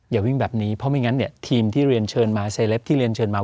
อย่าวิ่งแบบนี้เพราะไม่งั้นเนี่ยทีมที่เรียนเชิญมาเซเลปที่เรียนเชิญมา